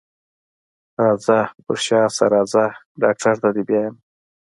راځه په شا شه راځه ډاکټر ته دې بيايمه.